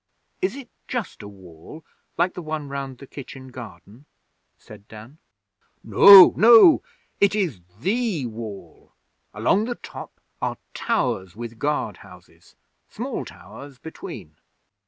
'Is it just a Wall? Like the one round the kitchen garden?' said Dan. 'No, no! It is the Wall. Along the top are towers with guard houses, small towers, between.